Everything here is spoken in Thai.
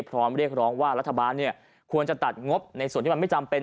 เรียกร้องว่ารัฐบาลควรจะตัดงบในส่วนที่มันไม่จำเป็น